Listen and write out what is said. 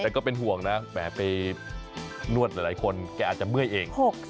แต่ก็เป็นห่วงนะแหมไปนวดหลายคนแกอาจจะเมื่อยเอง